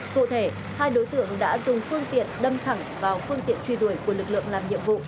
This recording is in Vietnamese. cụ thể hai đối tượng đã dùng phương tiện đâm thẳng vào phương tiện truy đuổi của lực lượng làm nhiệm vụ